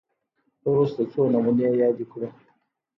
وروسته څو نمونې یادې کړو